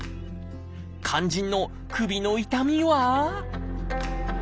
肝心の首の痛みは？